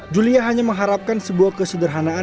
julia hanya mengharapkan sebuah kesederhanaan